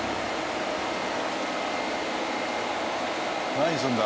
何するんだ？